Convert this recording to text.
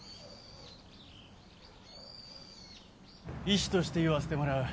医師として言わせてもらう。